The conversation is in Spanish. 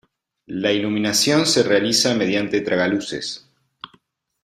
La iluminación se realiza mediante tragaluces.